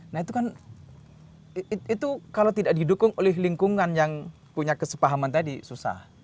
nah itu kan itu kalau tidak didukung oleh lingkungan yang punya kesepahaman tadi susah